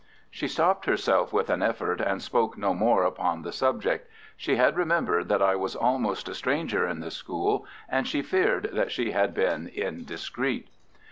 She stopped herself with an effort, and spoke no more upon the subject. She had remembered that I was almost a stranger in the school, and she feared that she had been indiscreet.